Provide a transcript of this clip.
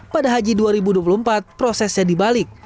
pada haji dua ribu dua puluh empat prosesnya dibalik